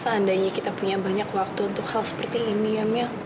seandainya kita punya banyak waktu untuk hal seperti ini ya mia